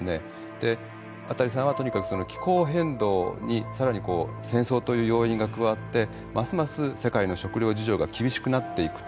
でアタリさんはとにかく気候変動に更に戦争という要因が加わってますます世界の食料事情が厳しくなっていくと。